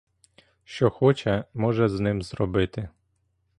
Що хоче, може з ним зробити!